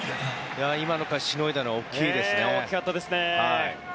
今の回をしのいだのは大きいですよ。